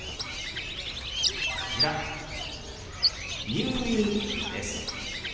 「入院」です。